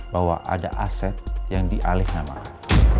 bahwa ada aset yang dialihnamakan